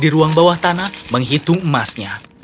di ruang bawah tanah menghitung emasnya